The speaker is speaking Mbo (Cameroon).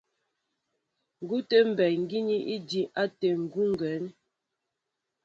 Ŋ̀kʉtɛ̌ mbey gínɛ́ i díín átə̂ ŋgʉ́meŋgeŋ.